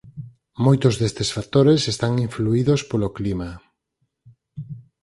Moitos destes factores están influídos polo clima.